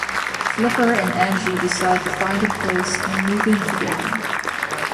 Flipper and Angie decide to find a place and move in together.